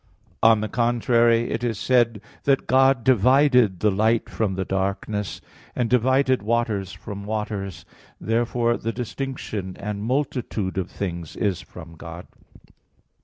On the contrary, It is said (Gen. 1:4, 7) that God "divided the light from the darkness," and "divided waters from waters." Therefore the distinction and multitude of things is from God.